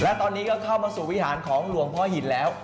และตอนนี้ก็เข้ามาสู่วิหารของหลวงพ่อหินแล้ว